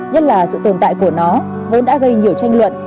nhất là sự tồn tại của nó vốn đã gây nhiều tranh luận